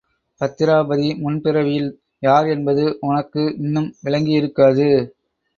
பத்திராபதி முன் பிறவியில் யார் என்பது உனக்கு இன்னும் விளங்கியிருக்காது.